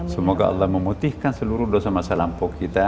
semoga allah memutihkan seluruh dosa masa lampau kita